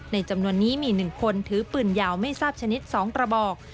จำนวนนี้มี๑คนถือปืนยาวไม่ทราบชนิด๒กระบอก